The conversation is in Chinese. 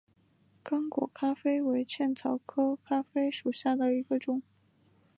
刚果咖啡为茜草科咖啡属下的一个种。